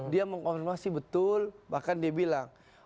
dia mengkonfirmasi betul bahkan dia bilang